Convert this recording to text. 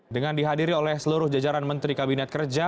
dengan dihadiri oleh seluruh jajaran menteri kabinet kerja